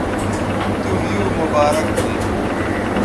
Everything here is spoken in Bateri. تیوں یو مبارک ھویں